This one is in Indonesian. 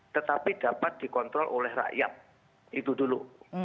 tetapi dapat dikontrol oleh rakyat itu dulu